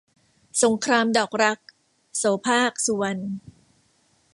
สงครามดอกรัก - โสภาค สุวรรณ